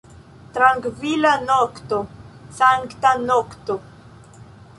Trankvila nokto, sankta nokto!